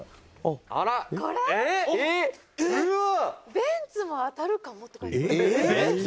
「“ベンツもあたるかも！”って書いてある」